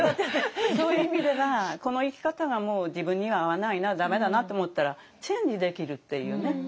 そういう意味ではこの生き方がもう自分には合わないな駄目だなって思ったらチェンジできるっていうね。